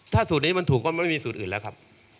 ถ้าสูตรนี้มันถูกก็ไม่มีสูตรอื่นแล้วครับ